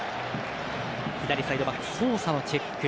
左サイドバックソーサのチェック。